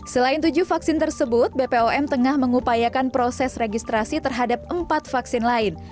selain tujuh vaksin tersebut bpom tengah mengupayakan proses registrasi terhadap empat vaksin lain